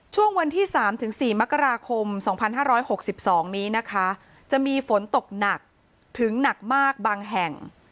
ช่วงวันที่๓๔มกราคม๒๕๖๒นี้นะคะจะมีฝนตกหนักถึงหนักมากบางแห่ง